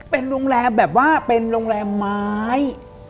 เป็นโรงแรมแบบว่าเป็นโรงแรมไม้